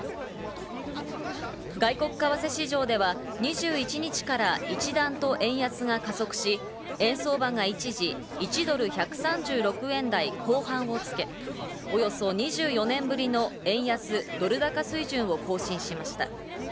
外国為替市場では２１日から一段と円安が加速し、円相場が一時１ドル１３６円台後半をつけ、およそ２４年ぶりの円安ドル水準を更新しました。